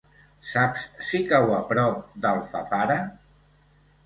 Saps si cau a prop d'Alfafara?